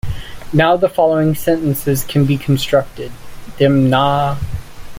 Now the following sentences can be constructed: Dem naa.